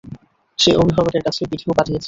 সে অভিভাবকদের কাছে ভিডিও পাঠিয়েছে!